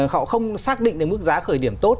họ không xác định được mức giá khởi điểm tốt